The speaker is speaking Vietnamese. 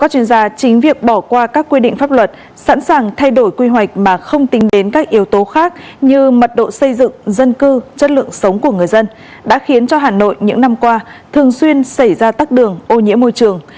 các chuyên gia chính việc bỏ qua các quy định pháp luật sẵn sàng thay đổi quy hoạch mà không tính đến các yếu tố khác như mật độ xây dựng dân cư chất lượng sống của người dân đã khiến cho hà nội những năm qua thường xuyên xảy ra tắc đường ô nhiễm môi trường